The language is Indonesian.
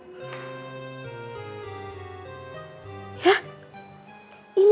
ya jobju main ni lagi dulu nya